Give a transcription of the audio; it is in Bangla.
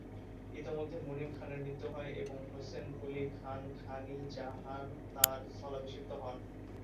ইতোমধ্যে মুনিম খানের মৃত্যু হয় এবং হোসেনকুলী খান খান-ই-জাহান তাঁর স্থলাভিষিক্ত হন।